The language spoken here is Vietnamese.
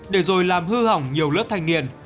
để rồi làm hư hỏng nhiều lớp thanh niên